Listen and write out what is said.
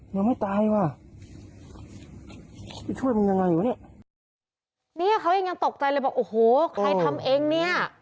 เนี่ยเขายังตกใจเลยบอกโอ้โหใครทำเองเนี่ย